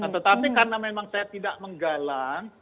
tetapi karena memang saya tidak menggalang